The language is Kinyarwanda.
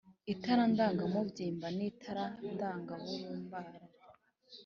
itara ndangamubyimba n itara ndanga burumbarare